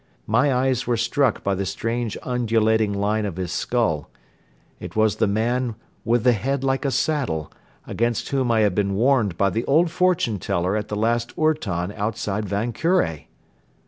My eyes were struck by the strange undulating line of his skull. It was the man "with the head like a saddle," against whom I had been warned by the old fortune teller at the last ourton outside Van Kure!